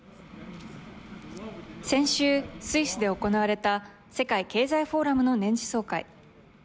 先週、スイスで行われた世界経済フォーラムの年次総会。